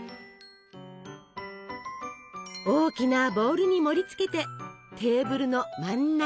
大きなボウルに盛りつけてテーブルの真ん中へ。